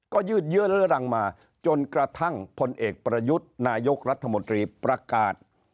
ก็ยืดเยอะเรื้อรังมาจนกระทั่งพลเอกประยุทธ์นายกรัฐมนตรีประกาศ